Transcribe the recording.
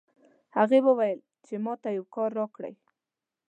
هغې وویل چې ما ته یو کار راکړئ